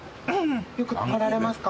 よく来られますか？